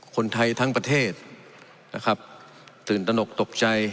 คนไทยทั้งประเทศนะครับตื่นตนกตกใจ